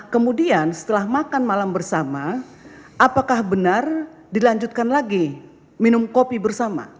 kemudian setelah makan malam bersama apakah benar dilanjutkan lagi minum kopi bersama